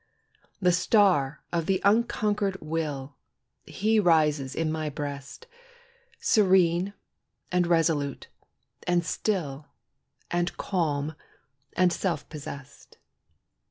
The star of the unconquered will, He rises in my breast, Serene, and resolute, and still, And calm, and self possessed.